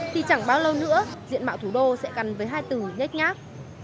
thì chẳng bao lâu nữa diện mạo thủ đô sẽ cằn với hai từ nhách nhác